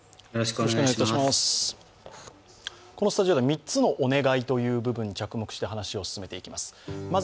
このスタジオでは３つのお願いという部分に着目して話を進めていきます。